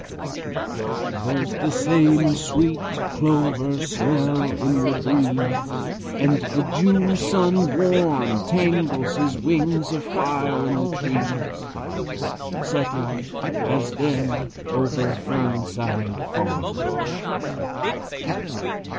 There 's the same sweet clover smell in the breeze; And the June sun warm Tangles his wings of fire in the trees, Setting, as then, over Fernside farm.